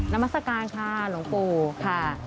นามัศกาลค่ะหลวงปู่ค่ะ